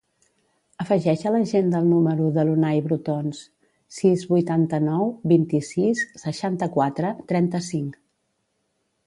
Afegeix a l'agenda el número de l'Unay Brotons: sis, vuitanta-nou, vint-i-sis, seixanta-quatre, trenta-cinc.